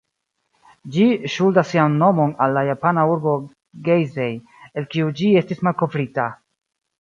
Ĝi ŝuldas sian nomon al la japana urbo "Geisei", el kiu ĝi estis malkovrita.